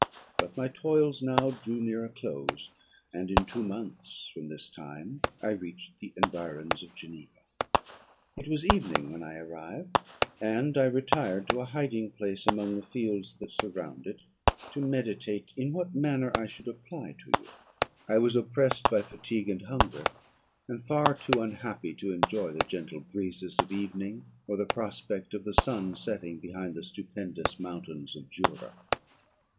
"But my toils now drew near a close; and, in two months from this time, I reached the environs of Geneva. "It was evening when I arrived, and I retired to a hiding place among the fields that surround it, to meditate in what manner I should apply to you. I was oppressed by fatigue and hunger, and far too unhappy to enjoy the gentle breezes of evening, or the prospect of the sun setting behind the stupendous mountains of Jura.